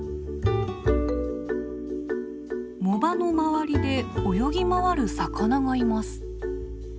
藻場の周りで泳ぎ回る魚がいます。